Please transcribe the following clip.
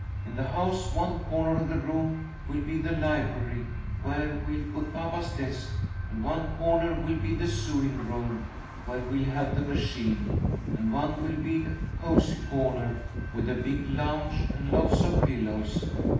In the house one corner of the room will be the library, where we'll put papa's desk, and one corner will be the sewing room, where we'll have the machine, and one will be a cosy corner, with the big lounge and lots of pillows.